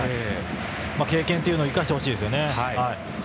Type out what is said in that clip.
経験というのを生かしてほしいですね。